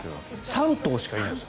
３頭しかいないんです。